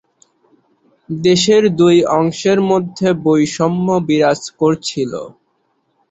দেশের দুই অংশের মধ্যে বৈষম্য বিরাজ করছিল।